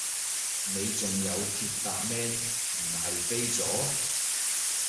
你仲有鐵搭咩，唔係飛咗？